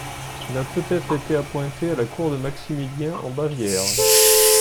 Il a peut-être été appointé à la cour de Maximilien en Bavière.